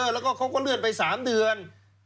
แล้วก็เขาก็เลื่อนไป๓เดือน